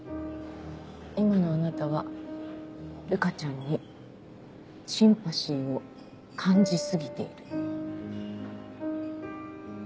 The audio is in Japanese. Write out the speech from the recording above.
今のあなたは瑠香ちゃんにシンパシーを感じ過ぎている。